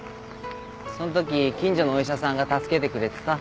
そんとき近所のお医者さんが助けてくれてさ。